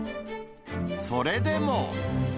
それでも。